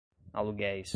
aluguéis